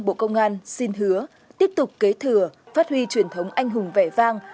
bộ công an xin hứa tiếp tục kế thừa phát huy truyền thống anh hùng vẻ vang